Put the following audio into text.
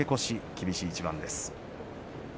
厳しい一番です。